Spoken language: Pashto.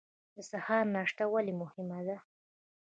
د سهار ناشته ولې مهمه ده؟